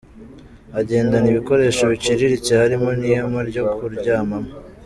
Agendana ibikoresho biciriritse harimo n'ihema ryo kuryamamo.